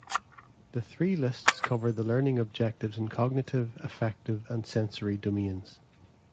The three lists cover the learning objectives in cognitive, affective and sensory domains.